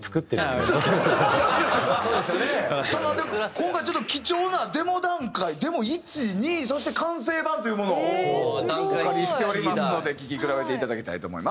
今回ちょっと貴重なデモ段階デモ１２そして完成版というものをお借りしておりますので聴き比べていただきたいと思います。